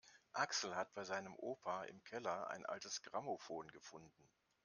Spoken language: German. Axel hat bei seinem Opa im Keller ein altes Grammophon gefunden.